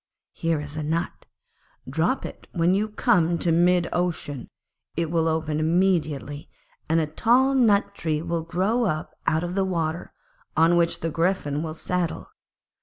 Here is a nut. Drop it when you come to mid ocean; it will open immediately and a tall nut tree will grow up out of the water, on which the Griffin will settle.